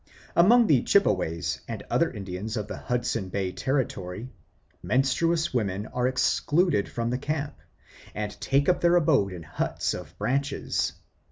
Among the Chippeways and other Indians of the Hudson Bay Territory, menstruous women are excluded from the camp, and take up their abode in huts of branches.